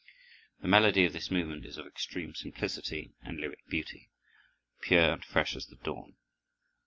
The melody of this movement is of extreme simplicity and lyric beauty, pure and fresh as the dawn.